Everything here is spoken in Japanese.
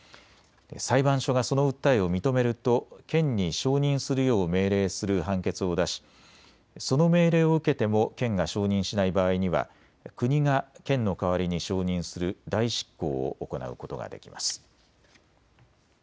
裁判所がその訴えを認めると県に承認するよう命令する判決を出し、その命令を受けても県が承認しない場合には国が県の代わりに承認する代執行を行うことができます。